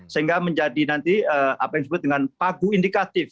sehingga menjadi nanti apa yang disebut dengan pagu indikatif